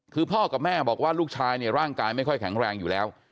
คือพ่อกับแม่บอกว่าลูกชายเนี่ยร่างกายไม่ค่อยแข็งแรงอยู่แล้ว